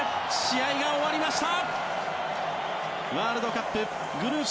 試合が終わりました。